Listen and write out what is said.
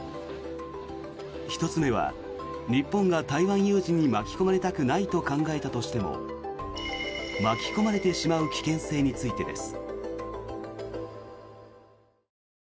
１つ目は、日本が台湾有事に巻き込まれたくないと考えたとしても巻き込まれてしまう危険性についてです。